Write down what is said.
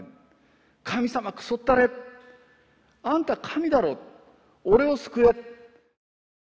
神様くそったれあんた神だろ俺を救え。